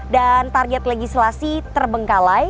dan target legislasi terbengkalai